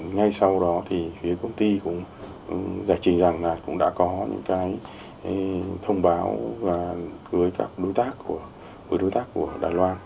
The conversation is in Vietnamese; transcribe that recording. ngay sau đó thì phía công ty cũng giải trình rằng là cũng đã có những cái thông báo với các đối tác của đài loan